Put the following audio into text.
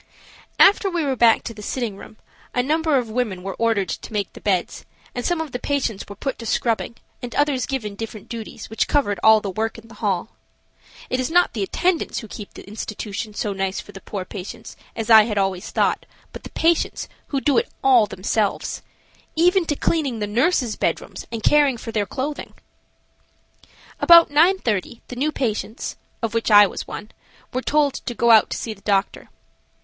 After we were back to the sitting room a number of women were ordered to make the beds, and some of the patients were put to scrubbing and others given different duties which covered all the work in the hall. It is not the attendants who keep the institution so nice for the poor patients, as I had always thought, but the patients, who do it all themselves–even to cleaning the nurses' bedrooms and caring for their clothing. About 9.30 the new patients, of which I was one, were told to go out to see the doctor.